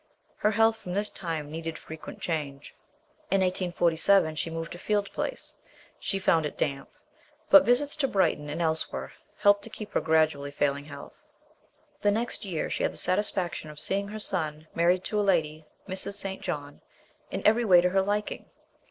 Her health from this time needed frequent change. In 1847, she moved to Field Place ; she found it damp, but visits to Brighton and elsewhere helped to keep up her gradually failing health. The next year she had the satisfaction of seeing her son married to a lady (Mrs. St. John) in every way to her liking.